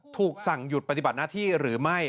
ถูกสั่งหยุดปฏิบัติหน้าที่หรือไม่